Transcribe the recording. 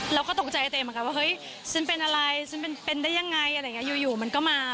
เราก็ตกใจเตะเหมือนกันว่าเฮ้ยฉันเป็นอะไรฉันเป็นได้ยังไงอยู่มันก็มา